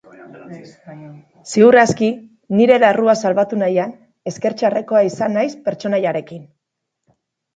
Ziur aski, nire larrua salbatu nahian, esker txarrekoa izan naiz pertsonaiarekin.